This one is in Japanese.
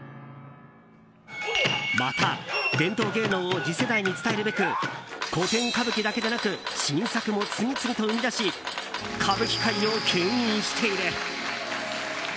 また、伝統芸能を次世代に伝えるべく古典歌舞伎だけでなく新作も次々と生み出し歌舞伎界を牽引している。